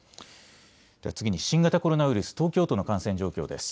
では次に、新型コロナウイルス、東京都の感染状況です。